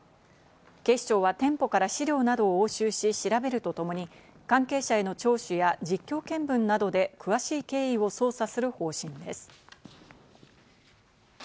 警視庁は店舗から資料などを押収し調べるとともに、関係者への聴取や実況見分などで、詳しい経緯を捜査する方針です。